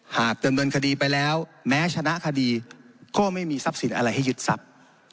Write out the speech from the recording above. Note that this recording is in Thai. หากดำเนินคดีไปแล้วแม้ชนะคดีก็ไม่มีทรัพย์สินอะไรให้ยึดทรัพย์